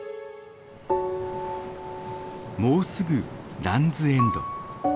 もうすぐランズ・エンド。